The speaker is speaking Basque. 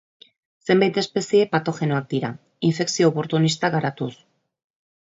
Zenbait espezie patogenoak dira, infekzio oportunistak garatuz.